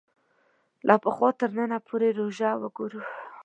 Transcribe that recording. له پخوا تر ننه پورې ژوره وګورو